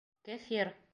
Кефир!